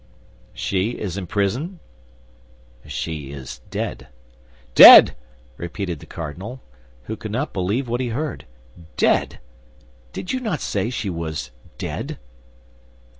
"She is in prison?" "She is dead." "Dead!" repeated the cardinal, who could not believe what he heard, "dead! Did you not say she was dead?"